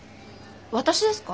私ですか？